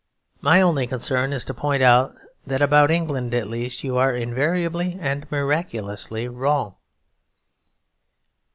My only concern is to point out that about England, at least, you are invariably and miraculously wrong.